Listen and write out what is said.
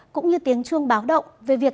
cũng như tiếng chuông báo động về việc